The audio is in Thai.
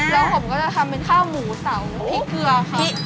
แล้วผมก็จะทำเป็นข้าวหมูเสาพริกเกลือค่ะ